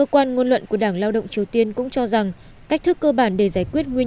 quan ngôn luận của đảng lao động triều tiên cũng cho rằng cách thức cơ bản để giải quyết nguy